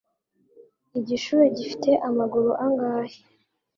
igishuhe gifite amaguru angahe